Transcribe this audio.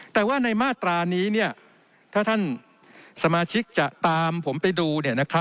แต่ว่าในมาตรานี้ถ้าท่านสมาชิกจะตามผมไปดู